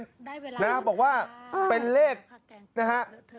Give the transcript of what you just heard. ได้เวลานะครับบอกว่าเป็นเลขนะฮะ